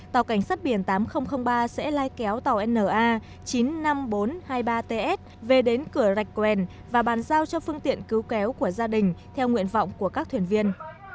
tàu cảnh sát biển tám nghìn ba sẽ lai kéo tàu na chín mươi năm nghìn bốn trăm hai mươi ba ts về đến cửa rạch quèn và bàn giao cho phương tiện cứu kéo của gia đình theo nguyện vọng của các thuyền viên